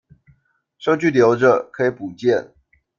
收據留著，可以補件